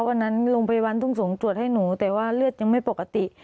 วันนั้นโรงพยาบาลทุ่งสงฆ์ตรวจให้หนูแต่ว่าเลือดยังไม่ปกติ